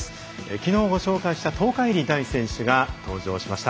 きのうご紹介した東海林大選手が登場しました。